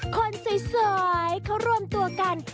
คนสวยเขารวมตัวกัน